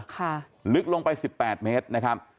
ค่ะลึกลงไป๑๘เมตรนะครับ